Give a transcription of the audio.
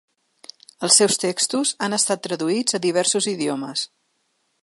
Els seus textos han estat traduïts a diversos idiomes.